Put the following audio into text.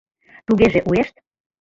Тугеже уэшт!